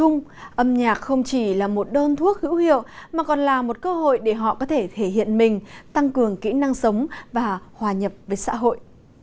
âm nhạc không chỉ là một đơn thuốc hữu hiệu mà còn là một cơ hội để họ có thể thể hiện mình tăng cường kỹ năng sống và hòa nhập với xã hội